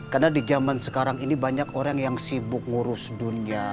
karena di zaman sekarang ini banyak orang yang sibuk ngurus dunia